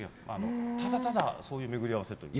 ただただそういう巡り合わせというか。